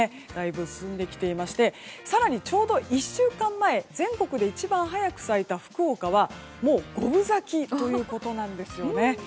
だいぶ進んできていまして更にちょうど１週間前全国で一番早く咲いた福岡はもう五分咲きということなんですよね。